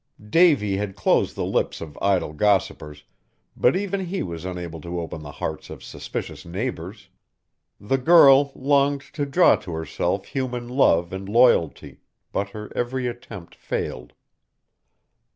Davy had closed the lips of idle gossipers, but even he was unable to open the hearts of suspicious neighbors. The girl longed to draw to herself human love and loyalty, but her every attempt failed.